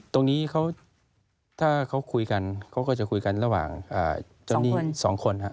ตรงนี้เขาถ้าเขาคุยกันเขาก็จะคุยกันระหว่างเจ้าหนี้๒คน